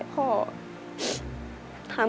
ขอบคุณครับ